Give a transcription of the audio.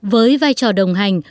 với vai trò đồng hành